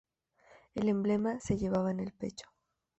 El emblema se llevaba en el pecho.